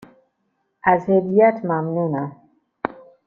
از هدیهات ممنونم.